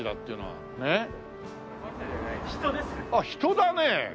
あっ人だね！